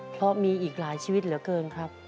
เพราะมีอีกหลายชีวิตเหลือเกินครับ